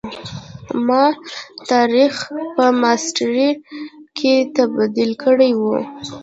ما تاریخ مې په میسترې کي تبد یل کړی وو.